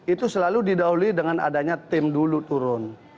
itu selalu didahului dengan adanya tim dulu turun